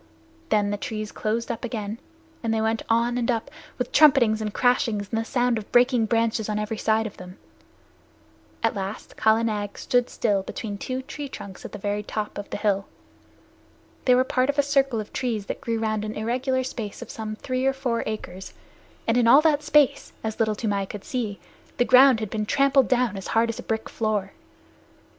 Then the trees closed up again, and they went on and up, with trumpetings and crashings, and the sound of breaking branches on every side of them. At last Kala Nag stood still between two tree trunks at the very top of the hill. They were part of a circle of trees that grew round an irregular space of some three or four acres, and in all that space, as Little Toomai could see, the ground had been trampled down as hard as a brick floor.